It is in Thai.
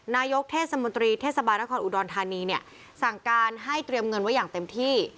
นายกเทศมนตรีเทศบาลนครอุดรธานีเนี่ยสั่งการให้เตรียมเงินไว้อย่างเต็มที่